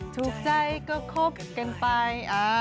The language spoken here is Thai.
ถูกใจก็คบกันไป